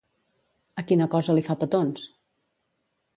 A quina cosa li fa petons?